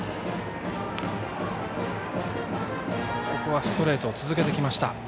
ここはストレートを続けてきました。